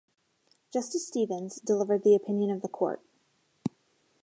Justice Stevens delivered the opinion of the Court.